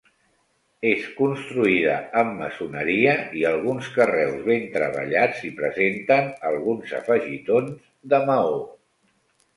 És construïda amb maçoneria i alguns carreus ben treballats i presenten alguns afegitons de maó.